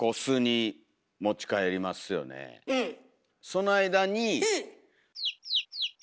その間に。